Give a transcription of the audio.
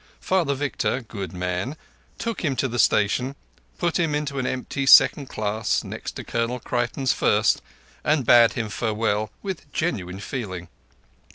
Father Victor, good man, took him to the station, put him into an empty second class next to Colonel Creighton's first, and bade him farewell with genuine feeling.